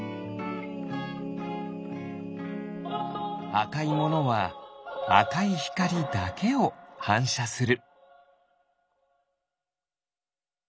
あかいものはあかいひかりだけをはんしゃする。